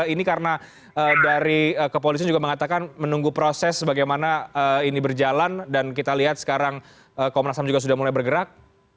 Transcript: ini karena dari kepolisian juga mengatakan menunggu proses bagaimana ini berjalan dan kita lihat sekarang komnas ham juga sudah mulai bergerak